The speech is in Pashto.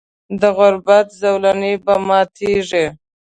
د غربت زولنې به ماتیږي.